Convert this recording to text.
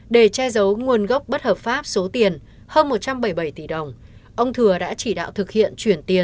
để che giấu nguồn gốc bất hợp pháp số tiền hơn một trăm bảy mươi bảy tỷ đồng ông thừa đã chỉ đạo thực hiện chuyển tiền